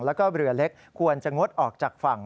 แล้วก็เรือเล็กควรจะงดออกจากฝั่ง